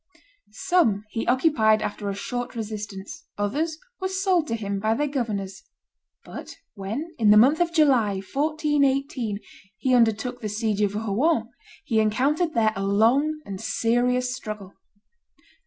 Some he occupied after a short resistance, others were sold to him by their governors; but when, in the month of July, 1418, he undertook the siege of Rouen, he encountered there a long and serious struggle.